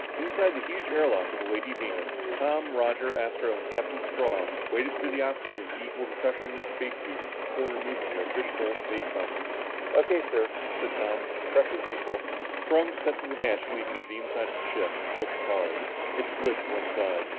Inside the huge air lock of the Lady Venus, Tom, Roger, Astro and Captain Strong waited for the oxygen to equal the pressure in their space suits before removing their fish bowl space helmets. "O.K., sir," said Tom, "pressure's equal." Strong stepped to the hatch leading to the inside of the ship and pushed hard. It slid to one side.